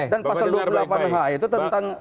dan pasal dua puluh delapan h itu tentang